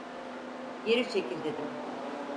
Geri çekil dedim!